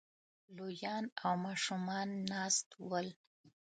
لويان او ماشومان ناست ول